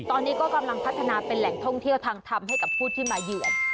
ตอนนี้ก็กำลังพัฒนาเป็นแหล่งท่องเที่ยวทางธรรมให้กับผู้ที่มาเยือน